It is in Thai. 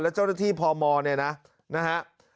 และเจ้าหน้าที่พมเนี่ยนะนะฮะ